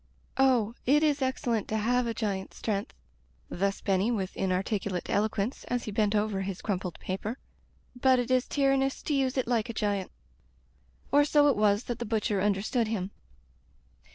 "Oh! it is excellent to have a giant's strength" — ^thus Benny with inarticulate elo quence, as he bent over his crumpled paper — "but it is tyrannous to use it like a giant." Or so it was that the butcher understood him.